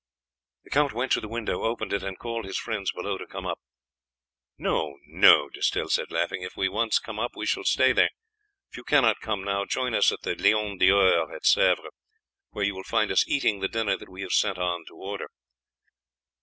The count went to the window, opened it, and called his friends below to come up. "No, no," D'Estelle said laughing; "if we once come up we shall stay there. If you cannot come now, join us at the Lion d'Or at Sèvres, where you will find us eating the dinner that we have sent on to order."